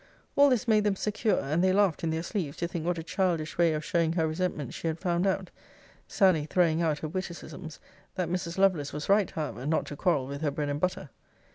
All this made them secure; and they laughed in their sleeves, to think what a childish way of showing her resentment she had found out; Sally throwing out her witticisms, that Mrs. Lovelace was right, however, not to quarrel with her bread and butter.'